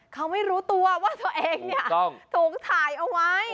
เขาไม่รู้ตัวว่าตัวเองเนี่ยถูกถ่ายเอาไว้